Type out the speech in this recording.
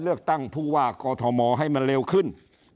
เลือกตั้งผู้ว่ากอทมให้มันเร็วขึ้น